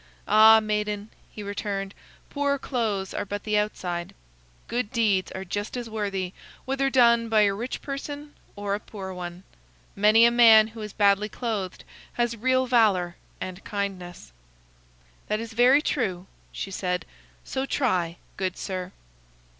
"Ah, maiden," he returned, "poor clothes are but the outside. Good deeds are just as worthy, whether done by a rich person or a poor one. Many a man who is badly clothed has real valor and kindness." "That is very true," she said; "so try, good sir."